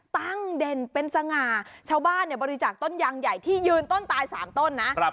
เด่นเป็นสง่าชาวบ้านเนี่ยบริจาคต้นยางใหญ่ที่ยืนต้นตาย๓ต้นนะ